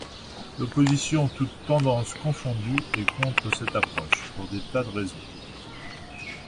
L’opposition, toutes tendances confondues, est contre cette approche, pour des tas de raisons.